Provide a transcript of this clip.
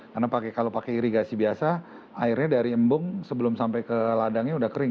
karena kalau pakai irigasi biasa airnya dari embung sebelum sampai ke ladangnya udah kering